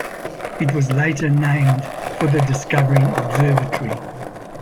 It was later named for the discovering observatory.